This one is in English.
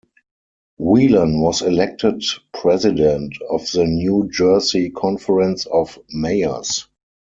Whelan was elected president of the New Jersey Conference of Mayors.